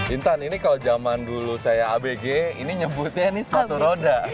intan ini kalau zaman dulu saya abg ini nyebutnya ini sepatu roda